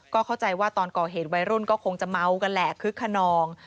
ก็เข้าใจว่าตอนก่อเหตุวัยรุ่นก็คงจะเมากันแหละคึกขนอง